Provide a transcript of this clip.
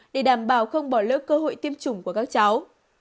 để đảm bảo không bỏ lỡ cơ hội tiêm chủng của các cháu